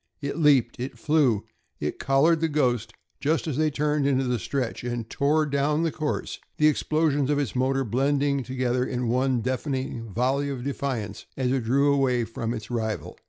It leaped, it flew. It collared the "Ghost" just as they turned into the stretch, and tore down the course, the explosions of its motor blending together in one deafening volley of defiance as it drew away from its rival.